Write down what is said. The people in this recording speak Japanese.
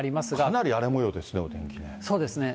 かなり荒れもようですね、お天気ね。